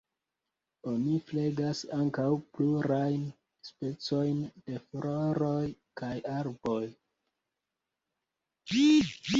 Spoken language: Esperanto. Oni flegas ankaŭ plurajn specojn de floroj kaj arboj.